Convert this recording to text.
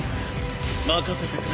任せてくれ。